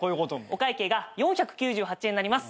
お会計が４９８円になります。